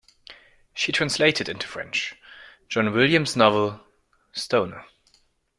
She has also translated into French John William's novel "Stoner".